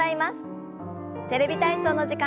「テレビ体操」の時間です。